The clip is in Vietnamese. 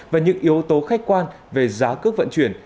và những yếu tố khách quan về giá cước vận chuyển